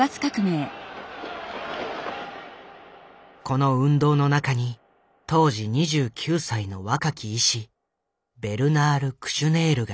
この運動の中に当時２９歳の若き医師ベルナール・クシュネールがいた。